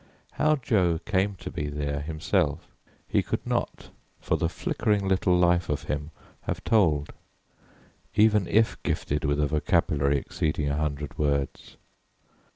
How Jo came to be there himself, he could not for the flickering little life of him have told, even if gifted with a vocabulary exceeding a hundred words.